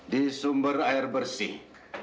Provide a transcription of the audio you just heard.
di sumber air bersih